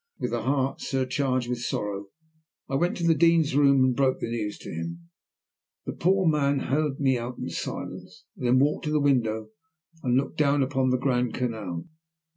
With a heart surcharged with sorrow I went to the Dean's room and broke the news to him. The poor old man heard me out in silence, and then walked to the window and looked down upon the Grand Canal.